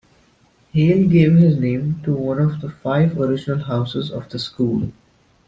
Hale gave his name to one of the five original houses of the school.